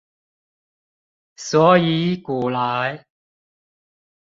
所以古來